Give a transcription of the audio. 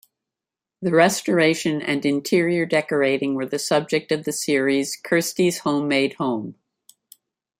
The restoration and interior decorating were the subject of the series "Kirstie's Homemade Home".